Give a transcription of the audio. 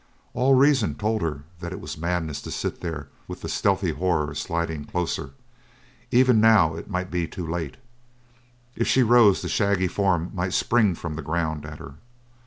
All reason told her that it was madness to sit there with the stealthy horror sliding closer; even now it might be too late. If she rose the shaggy form might spring from the ground at her.